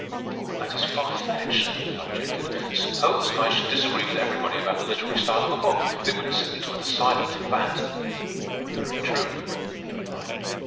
"But that is far fetched," I objected. "Suppose I should disagree with everybody about the literary style of a book. They wouldn't send me to an asylum for that." "Very true," he replied.